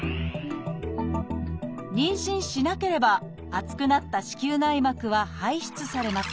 妊娠しなければ厚くなった子宮内膜は排出されます。